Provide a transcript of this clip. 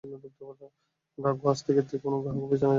গাঙু, আজ থেকে তুই কোনো গ্রাহকের বিছানায় যাবি না।